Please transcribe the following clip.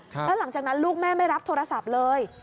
แล้วหลังจากนั้นลูกแม่ไม่รับโทรศัพท์เลย